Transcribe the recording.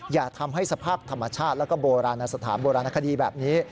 อย่าทำให้สภาพธรรมชาติแล้วก็โบราณสถานโบราณคดีแบบนี้